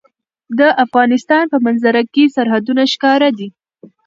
د افغانستان په منظره کې سرحدونه ښکاره ده.